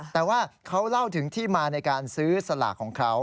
แต่ว่าเขาเล่าถึงที่มาในการซื้อสลากของเขา